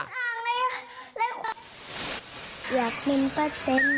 เกรกเราเป็นผู้หญิงนะ